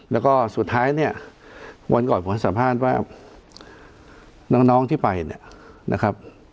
แล้วก็สุดท้ายเนี่ยวันก่อนผมให้สัมภาษณ์ว่าน้องที่ไปเนี่ยนะครับ